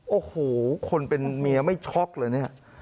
โอ้โหคนเป็นเมียไม่ช็อกเลยเนี่ย